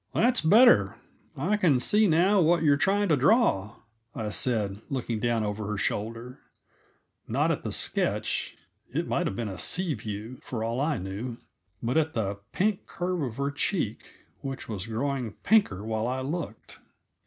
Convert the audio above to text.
"That's better; I can see now what you're trying to draw," I said, looking down over her shoulder not at the sketch; it might have been a sea view, for all I knew but at the pink curve of her cheek, which was growing pinker while I looked.